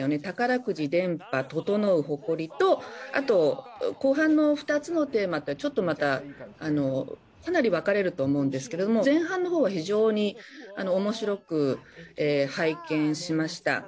宝くじ電波ととのうホコリとあと後半の２つのテーマとはちょっとまたかなり分かれると思うんですけども前半のほうは非常におもしろく拝見しました。